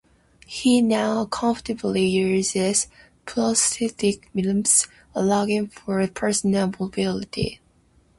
He now comfortably uses prosthetic limbs, allowing for personal mobility.